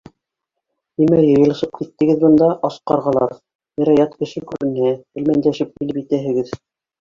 — Нимә йыйылышып киттегеҙ бында, ас ҡарғалар? Берәй ят кеше күренһә, элмәндәшеп килеп етәһегеҙ!